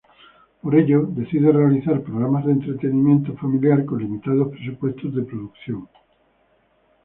Por ello decide realizar programas de entretenimiento familiar con limitados presupuestos de producción.